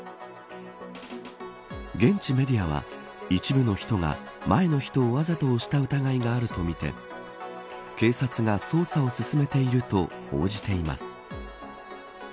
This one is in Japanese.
現地メディアは一部の人が前の人をわざと押した疑いがあるとみて警察が捜査を進めていると報じています。